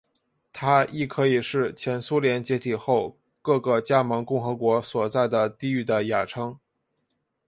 它亦可以是前苏联解体后各个加盟共和国所在的地域的雅称。